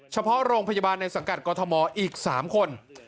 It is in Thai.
เฉพาะโรงพยาบาลในสังกัดกรทมอีก๓คน